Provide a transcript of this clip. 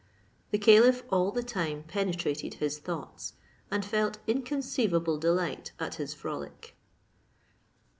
The caliph all the time penetrated his thoughts, and felt inconceivable delight at his frolic.